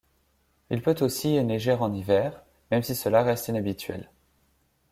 Il peut aussi y neiger en hiver, même si cela reste inhabituel.